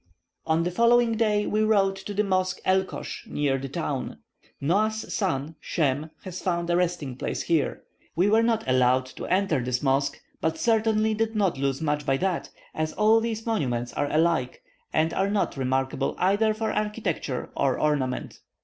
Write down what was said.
On the following day we rode to the Mosque Elkosch, near the town. Noah's son Shem has found a resting place here. We were not allowed to enter this mosque, but certainly did not lose much by that, as all these monuments are alike, and are not remarkable either for architecture or ornament.